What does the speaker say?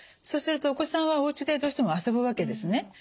そうするとお子さんはおうちでどうしても遊ぶわけですね。